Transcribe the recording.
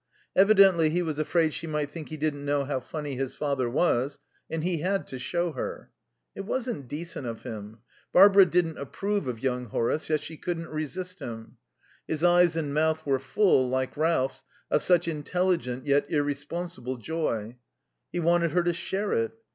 Evidently he was afraid she might think he didn't know how funny his father was, and he had to show her. It wasn't decent of him. Barbara didn't approve of young Horace; yet she couldn't resist him; his eyes and mouth were full, like Ralph's, of such intelligent yet irresponsible joy. He wanted her to share it.